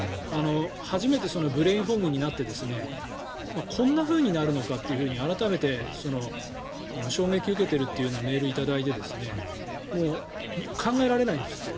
初めてブレインフォグになってこんなふうになるのかって改めて衝撃を受けているというのをメール頂いて考えられないんですって。